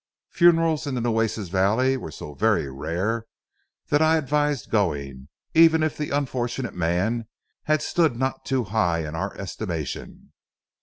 Funerals in the Nueces valley were so very rare that I advised going, even if the unfortunate man had stood none too high in our estimation.